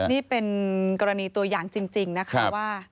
นี่เป็นกรณีตัวอย่างจริงนะคะว่า